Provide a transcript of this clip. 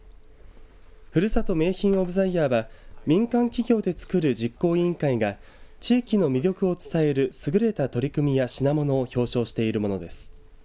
ふるさと名品オブ・ザ・イヤーは民間企業で作る実行委員会が地域の魅力を伝えるすぐれた取り組みや品物を表彰しているものです。